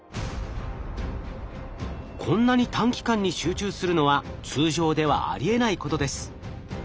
こんなに短期間に集中するのは通常ではありえないことです。